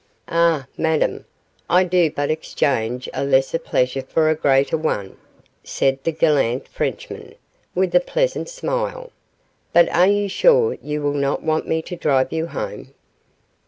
'Ah, Madame, I do but exchange a lesser pleasure for a greater one,' said the gallant Frenchman, with a pleasant smile; 'but are you sure you will not want me to drive you home?